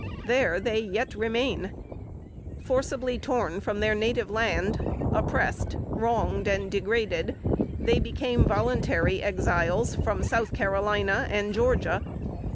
There they yet remain. Forcibly torn from their native land, oppressed, wronged, and degraded, they became voluntary Exiles from South Carolina and Georgia.